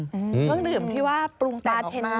เครื่องดื่มที่ว่าปรุงแต่งออกมา